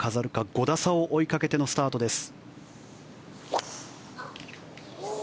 ５打差を追いかけてのスタートです。